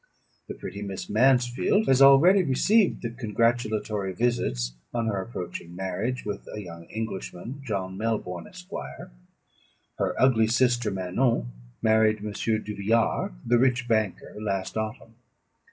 The pretty Miss Mansfield has already received the congratulatory visits on her approaching marriage with a young Englishman, John Melbourne, Esq. Her ugly sister, Manon, married M. Duvillard, the rich banker, last autumn.